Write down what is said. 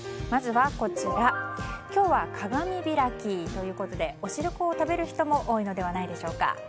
まずは今日は鏡開きということでおしるこを食べる人も多いのはないでしょうか。